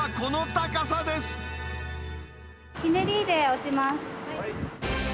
ひねりで落ちます。